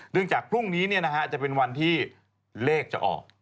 จากพรุ่งนี้จะเป็นวันที่เลขจะออก